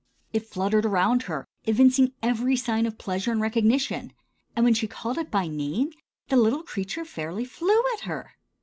It fluttered around her, evincing every sign of pleasure and recognition, and when she called it by name the little creature fairly flew at her!